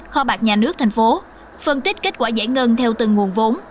kho bạc nhà nước thành phố phân tích kết quả giải ngân theo từng nguồn vốn